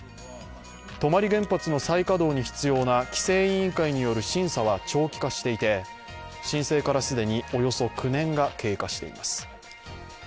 泊原発の再稼働に必要な規制委員会による審査は長期化していて申請から既におよそ９年が経過しています。